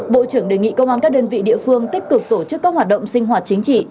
bộ trưởng đề nghị công an các đơn vị địa phương tích cực tổ chức các hoạt động sinh hoạt chính trị